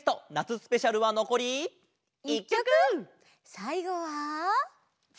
さいごは。